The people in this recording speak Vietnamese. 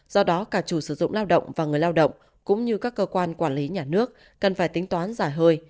do đó cả chủ sử dụng lao động và người lao động cũng như các cơ quan quản lý nhà nước cần phải tính toán giả hơi